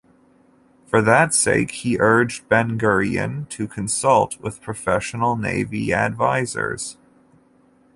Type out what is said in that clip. For that sake he urged Ben-Gurion to consult with professional navy advisers.